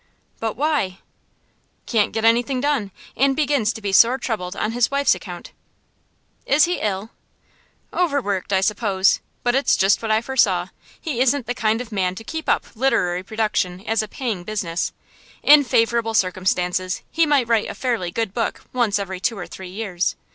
'But why?' 'Can't get anything done; and begins to be sore troubled on his wife's account.' 'Is he ill?' 'Overworked, I suppose. But it's just what I foresaw. He isn't the kind of man to keep up literary production as a paying business. In favourable circumstances he might write a fairly good book once every two or three years.